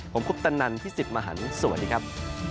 ผมคุกตันนันพี่สิบมหานสวัสดีครับ